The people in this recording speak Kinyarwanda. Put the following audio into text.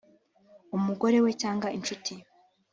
umugore we cyangwa inshuti